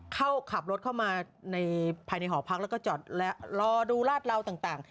เข้าขับรถเข้ามาในภายในหอพักแล้วก็จอดและรอดูลาดเหลาต่าง